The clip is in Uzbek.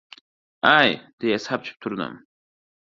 — Ay! — deya sapchib turdim.